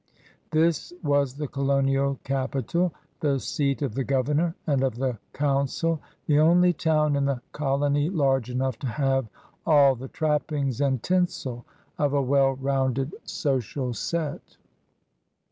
This was the colonial capital, the seat of the governor and of the council, the only town in the colony large enough to have all the trappings and tinsel of a well rounded social ■A«»>H»aa_ja^a HOW THE PEOPLE LIVED 805 set.